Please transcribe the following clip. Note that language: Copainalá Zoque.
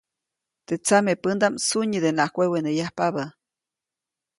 Teʼ samepändaʼm sunyidenaʼajk weweneyajpabä.